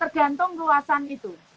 tergantung luasan itu